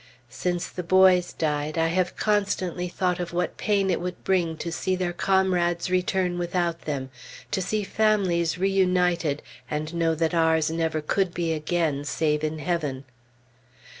Since the boys died, I have constantly thought of what pain it would bring to see their comrades return without them to see families reunited, and know that ours never could be again, save in heaven.